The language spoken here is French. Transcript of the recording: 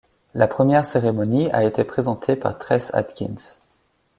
La première cérémonie a été présentée par Trace Adkins.